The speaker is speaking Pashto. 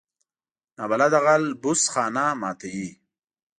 نابلده غل بوس خانه ماتوي